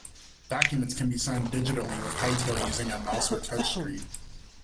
Documents can be signed digitally with Hightail using a mouse or touch-screen.